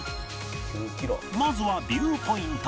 まずはビューポイント